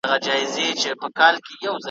زړه نازړه په شمار اخلي د لحد پر لور ګامونه ,